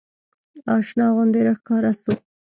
اشنا غوندې راښکاره سو.